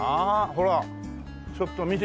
ほらちょっと見て。